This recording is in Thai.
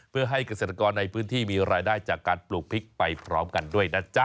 เพื่อให้เกษตรกรในพื้นที่มีรายได้จากการปลูกพริกไปพร้อมกันด้วยนะจ๊ะ